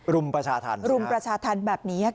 รุมประชาธรรมรุมประชาธรรมแบบนี้ค่ะ